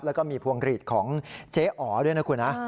แล้วก็มีพวงกรีดของเจ๊อ๋อด้วยนะคุณนะ